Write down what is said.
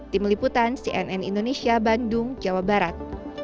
di meliputan cnn indonesia bandung jawa barat